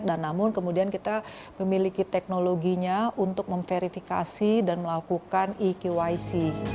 dan namun kemudian kita memiliki teknologinya untuk memverifikasi dan melakukan eqyc